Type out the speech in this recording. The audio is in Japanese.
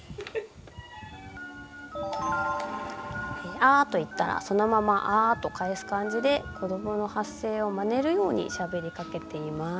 「アー」と言ったらそのまま「アー」と返す感じで子どもの発声をまねるようにしゃべりかけています。